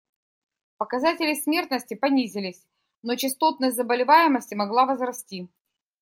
Показатели смертности понизились, но частотность заболеваемости могла возрасти.